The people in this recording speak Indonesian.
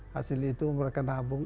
hasil itu mereka nabung